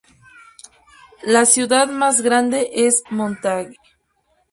La ciudad más grande es Montague.